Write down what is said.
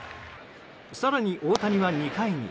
更に大谷は２回に。